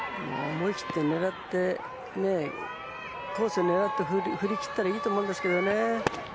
思い切ってコース狙って振り切ったらいいと思いますけどね。